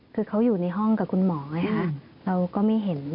คือเขาอยู่ในห้องกับคุณหมอไงคะเราก็ไม่เห็น